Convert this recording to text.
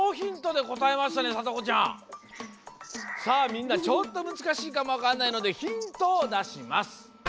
みんなちょっとむずかしいかもわかんないのでヒントをだします。